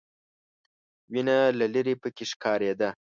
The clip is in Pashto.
وینه له ليرې پکې ښکارېده.